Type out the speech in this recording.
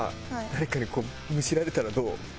誰かにこうむしられたらどう？